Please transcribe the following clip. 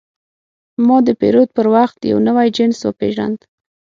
ما د پیرود پر وخت یو نوی جنس وپېژاند.